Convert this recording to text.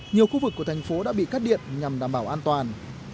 nhiều khu vực của thành phố đã bị cắt điện nhằm đảm bảo an toàn